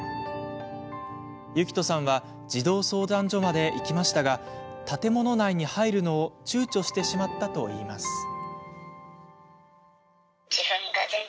ユキトさんは児童相談所まで行きましたが建物内に入るのをちゅうちょしてしまったといいます。